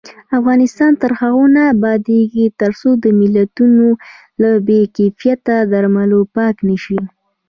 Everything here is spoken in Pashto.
افغانستان تر هغو نه ابادیږي، ترڅو درملتونونه له بې کیفیته درملو پاک نشي.